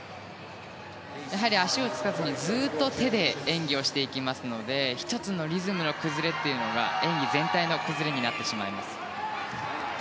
足をつかずに、ずっと手で演技をしていきますので１つのリズムの崩れというのが演技全体の崩れになってしまいます。